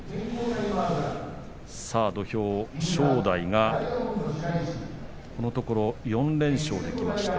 さあ土俵は正代がこのところ４連勝できました。